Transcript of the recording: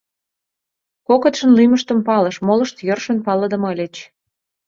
Кокытшын лӱмыштым палыш, молышт йӧршын палыдыме ыльыч.